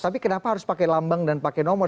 tapi kenapa harus pakai lambang dan pakai nomor